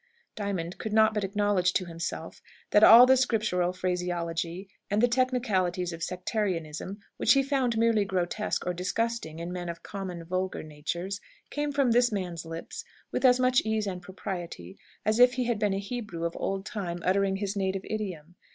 Diamond could not but acknowledge to himself that all the scriptural phraseology, and the technicalities of sectarianism, which he found merely grotesque or disgusting in men of common, vulgar natures, came from this man's lips with as much ease and propriety as if he had been a Hebrew of old time uttering his native idiom.